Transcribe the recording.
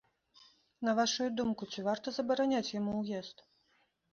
На вашую думку, ці варта забараняць яму ўезд?